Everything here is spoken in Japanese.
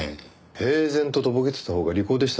平然ととぼけてたほうが利口でしたね。